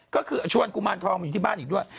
ก็คือชวนกุมารทองมาอยู่ที่บ้านอีกด้วย